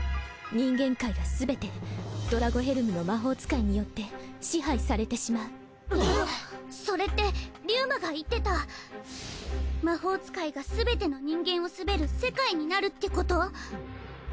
人間界がすべてドラゴヘルムの魔法使いによって支配されてしまうそれってリュウマが言ってた魔法使いがすべての人間を統べる世界になるってこと？